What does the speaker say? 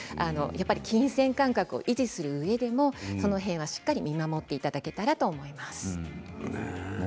金銭感覚を維持するうえでもその辺はしっかりと見守っていただけたらと思います。